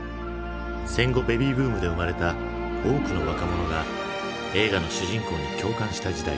戦後ベビーブームで生まれた多くの若者が映画の主人公に共感した時代。